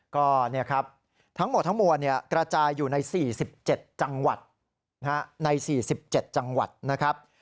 ก็เนี่ยครับทั้งหมดทั้งหมวดเนี่ยกระจายอยู่ใน๔๗จังหวัดนะฮะ